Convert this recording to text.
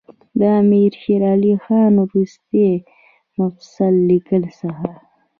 د امیر شېر علي خان وروستي مفصل لیک څخه.